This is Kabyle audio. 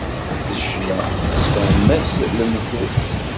D ccna, sefhem-as lemtul.